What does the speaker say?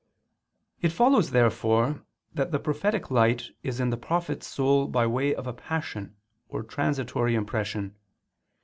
It follows therefore that the prophetic light is in the prophet's soul by way of a passion or transitory impression.